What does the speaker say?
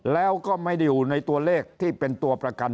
แล้วก็ไม่ได้อยู่ในตัวเลขที่เป็นตัวประกัน